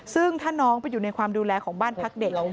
ซึ่งถ้าน้องไปอยู่ในความดูแลของบ้านพักเด็ก